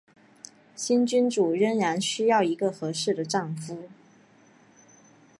新君主仍然需要一个合适的丈夫。